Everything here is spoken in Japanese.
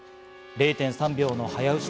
０．３秒の早撃ち